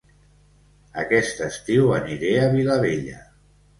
Aquest estiu aniré a Vilabella